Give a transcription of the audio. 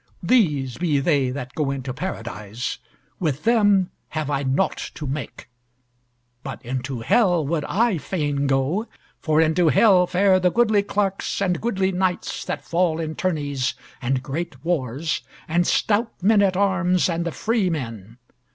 These be they that go into Paradise; with them have I naught to make. But into Hell would I fain go; for into Hell fare the goodly clerks, and goodly knights that fall in tourneys and great wars, and stout men at arms, and the free men.